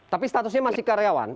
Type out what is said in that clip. tapi statusnya masih karyawan